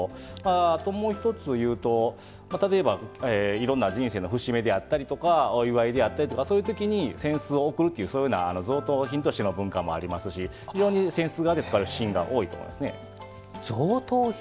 もう１ついうと例えば、いろんな人生の節目であったりとかお祝いであったりとかに扇子を贈るというそういうような贈答品としての文化もありますし非常に扇子が使われるシーンが多いですね。